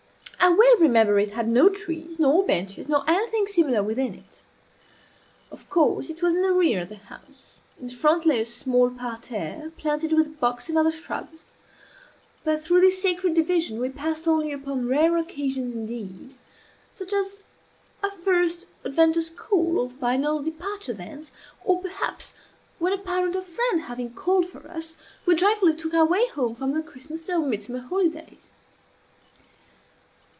I well remember it had no trees, nor benches, nor anything similar within it. Of course it was in the rear of the house. In front lay a small parterre, planted with box and other shrubs; but through this sacred division we passed only upon rare occasions indeed such as a first advent to school or final departure thence, or perhaps when, a parent or friend having called for us, we joyfully took our way home for the Christmas or Midsummer holidays.